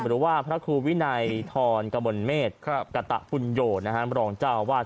หรือว่าพระครูวินัยทรกมลเมษกะตะปุญโยมรองเจ้าวาด